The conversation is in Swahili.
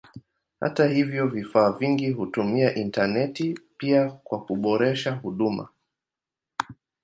Hata hivyo vifaa vingi hutumia intaneti pia kwa kuboresha huduma.